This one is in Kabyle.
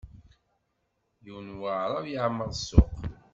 Yiwen n waɛṛab yeɛmeṛ ssuq.